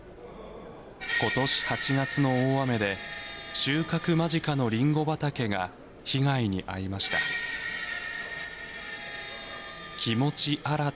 今年８月の大雨で収穫間近のりんご畑が被害に遭いました。